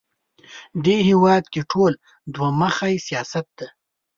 دې هېواد کې ټول دوه مخی سیاست دی